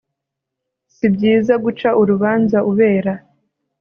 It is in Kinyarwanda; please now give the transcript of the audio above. si byiza guca urubanza ubera